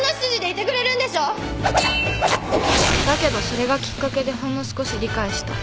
だけどそれがきっかけでほんの少し理解した。